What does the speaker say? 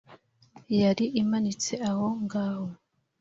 yari imanitse aho ngaho,